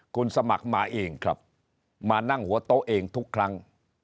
คุณสมัครมาเองครับมานั่งหัวโต๊ะเองทุกครั้ง